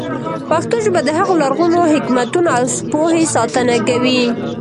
پښتو ژبه د هغو لرغونو حکمتونو او پوهې ساتنه کوي.